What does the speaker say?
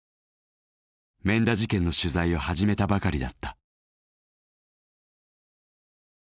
免田事件の取材を始めたばかりだった。